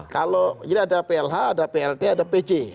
kalau jadi ada plh ada plt ada pc